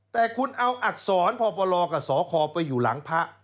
แต่คุณเอาอักษรพปลกับสคไปอยู่หลังพระ